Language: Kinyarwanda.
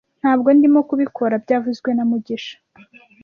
Ntabwo ndimo kubikora byavuzwe na mugisha